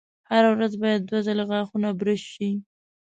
هره ورځ باید دوه ځلې غاښونه برش شي.